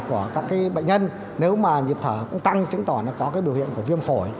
của các bệnh nhân nếu mà nhịp thở cũng tăng chứng tỏ nó có cái biểu hiện của viêm phổi